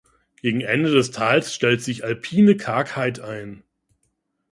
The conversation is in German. Gegen Ende des Tals stellt sich alpine Kargheit ein.